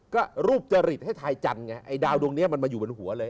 ก็รูปจริตให้ทายจันทร์ไงไอ้ดาวดวงนี้มันมาอยู่บนหัวเลย